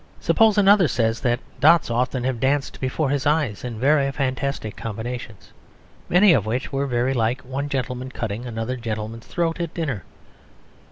Suppose another says that dots have often danced before his eyes in very fantastic combinations, many of which were very like one gentleman cutting another gentleman's throat at dinner.